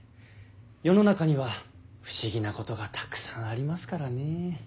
世の中には不思議なことがたくさんありますからねえ。